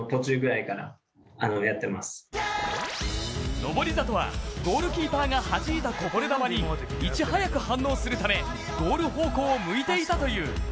登里は、ゴールキーパーが弾いたこぼれ球にいち早く反応するため、ゴール方向を向いていたという。